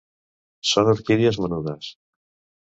Són orquídies menudes.